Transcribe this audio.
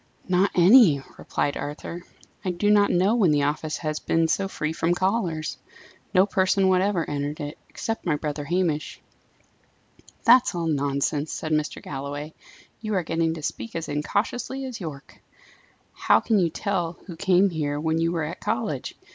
"Not any," replied Arthur. "I do not know when the office has been so free from callers. No person whatever entered it, except my brother Hamish." "That's all nonsense," said Mr. Galloway. "You are getting to speak as incautiously as Yorke. How can you tell who came here when you were at college?